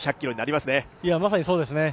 まさにそうですね。